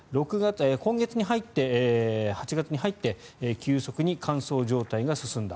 今月に入って８月に入って急速に乾燥状態が進んだ